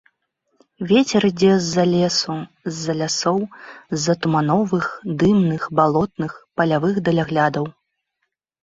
Вецер ідзе з-за лесу, з-за лясоў, з-за тумановых, дымных, балотных, палявых даляглядаў.